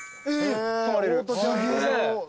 すげえ！